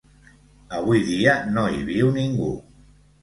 Avui dia no hi viu ningú.